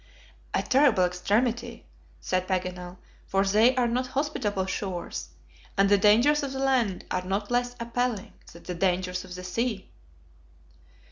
"A terrible extremity," said Paganel, "for they are not hospitable shores, and the dangers of the land are not less appalling than the dangers of the sea."